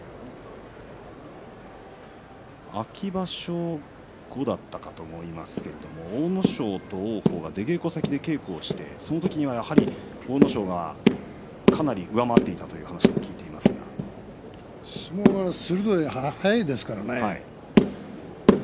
秋場所後だったと思いますが阿武咲と王鵬が、出稽古先で稽古していてやはり王鵬がかなり上回っていたという話を相撲が速いですからね。